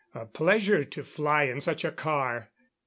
A pleasure to fly in such a car!